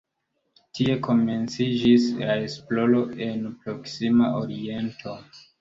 Tie komenciĝis la esploro en la Proksima Oriento.